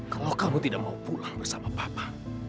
kalau kamu tidak mau pulang bersama papa